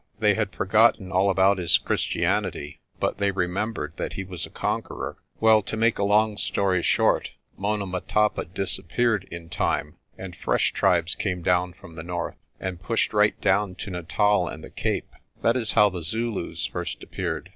They had forgotten all about his Christianity, but they remembered that he was a conqueror. "Well, to make a long story short, Monomotapa disap peared in time, and fresh tribes came down from the north, 96 PRESTER JOHN and pushed right down to Natal and the Cape. That is how the Zulus first appeared.